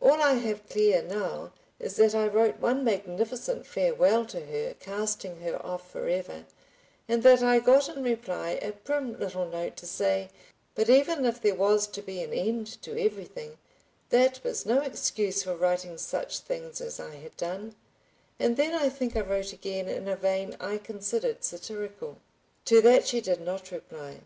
All I have clear now is that I wrote one magnificent farewell to her, casting her off forever, and that I got in reply a prim little note to say, that even if there was to be an end to everything, that was no excuse for writing such things as I had done, and then I think I wrote again in a vein I considered satirical. To that she did not reply.